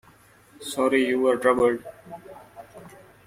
Sorry you were troubled.